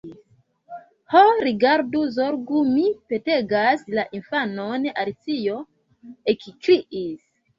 "Ho, rigardu, zorgu,—mi petegas—la infanon!" Alicio ekkriis.